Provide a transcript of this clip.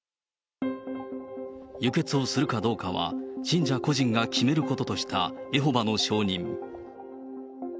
輸血をするかどうかは、信者個人が決めることとしたエホバの証人。